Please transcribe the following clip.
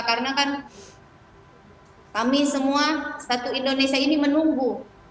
karena kan kami semua satu indonesia ini menunggu